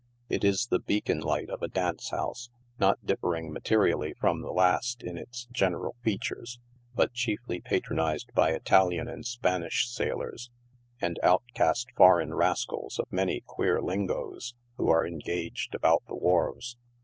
It is the beacon light of a dance house, not differing materially from the test in its general features, but chiefly patronized by Italian and Spanish sailors, and outcast foreign rascals of many queer lingoes, who are engaged about the wharves.